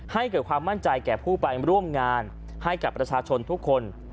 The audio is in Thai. ให้เกิดความมั่นใจแก่ผู้ไปร่วมงานให้กับประชาชนทุกคน